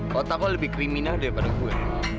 kau takut lebih kriminal daripada gue